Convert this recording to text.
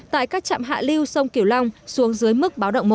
tại các trạm hạ liêu sông kiểu long xuống dưới mức báo động một